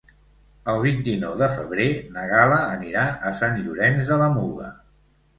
El vint-i-nou de febrer na Gal·la anirà a Sant Llorenç de la Muga.